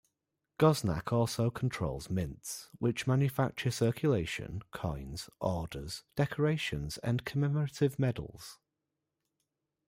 Goznak also controls mints, which manufacture circulation coins, orders, decorations, and commemorative medals.